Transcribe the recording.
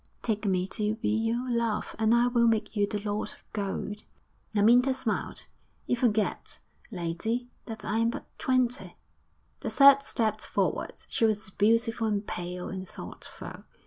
Take me to be your love and I will make you the Lord of Gold.' Amyntas smiled. 'You forget, lady, that I am but twenty.' The third stepped forward. She was beautiful and pale and thoughtful.